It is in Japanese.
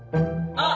あっ！